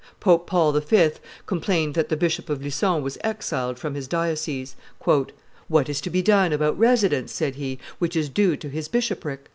Pope Paul V. complained that the Bishop of Lucon was exiled from his diocese. "What is to be done about residence," said he, "which is due to his bishopric?